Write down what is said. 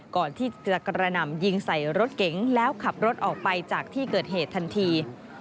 ก่อนที่จะกระหน่ำยิงใส่รถเก๋งแล้วขับรถออกไปจากที่เกิดเหตุทันที